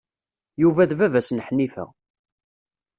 Yuba d baba-s n Ḥnifa.